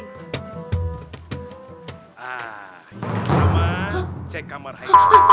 lama cek kamar hai